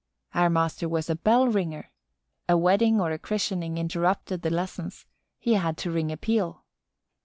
Our master was a bell ringer. A wedding or a christening interrupted the lessons; he had to ring a peal.